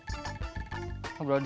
kebaikan ini akhirnya gelenah capa